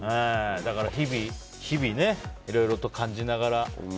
だから日々いろいろと感じながら。